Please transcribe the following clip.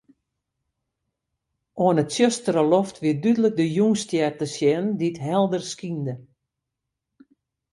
Oan 'e tsjustere loft wie dúdlik de Jûnsstjer te sjen, dy't helder skynde.